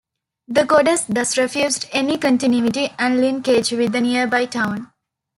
The goddess thus refused any continuity and linkage with the nearby town.